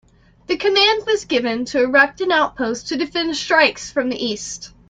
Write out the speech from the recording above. The command was given to erect an outpost to defend strikes from the east.